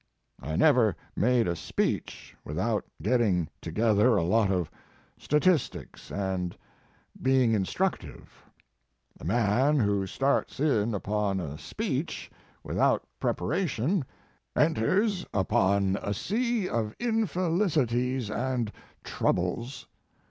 I never made a speech without getting together a lot of statistics and be ing instructive. The man who starts in upon a speech without preparation enters 158 Mark Twain upon a sea of infelicities and troubles.